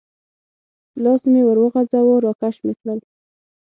لاس مې ور وغځاوه، را کش مې کړل.